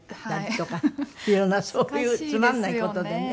色んなそういうつまんない事でね。